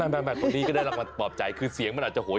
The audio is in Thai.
เป็นลูกหมูงัยคุณเสียงก็เลยเล็ด